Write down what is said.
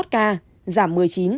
bốn mươi một ca giảm một mươi chín